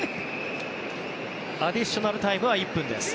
アディショナルタイムは１分です。